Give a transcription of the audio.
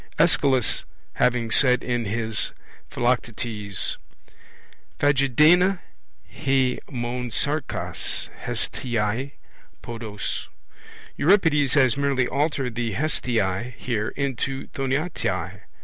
Aeschylus having said in his Philoctetes: phagedaina he mon sarkas hesthiei podos Euripides has merely altered the hesthiei here into thoinatai.